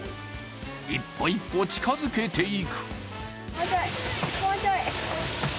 一歩一歩近づけていく。